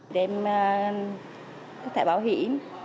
đem tài bảo hiểm